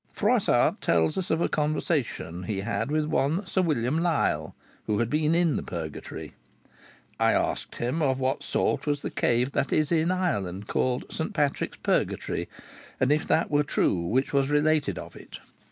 Froissart tells us of a conversation he had with one Sir William Lisle, who had been in the Purgatory. "I asked him of what sort was the cave that is in Ireland, called St. Patrick's Purgatory, and if that were true which was related of it.